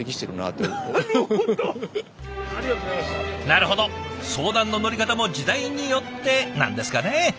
なるほど相談の乗り方も時代によってなんですかね。